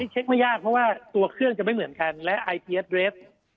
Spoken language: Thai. เช็คไม่ยากเพราะว่าตัวเครื่องจะไม่เหมือนกันและไอเทียสเรส